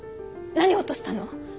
何落としたの？